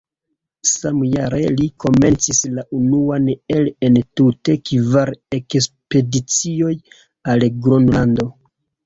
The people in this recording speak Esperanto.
Samjare li komencis la unuan el entute kvar ekspedicioj al Gronlando.